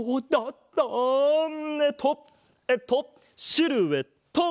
えっとえっとシルエット！